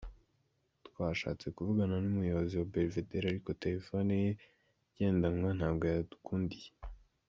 Twashatse kuvugana n’umuyobozi wa Belvedere ariko telefoni ye igendanwa ntabwo yadukundiye.